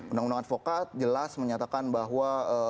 undang undang advokat jelas menyatakan bahwa